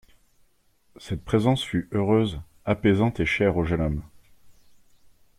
Cette présence fut heureuse, apaisante et chère au jeune homme.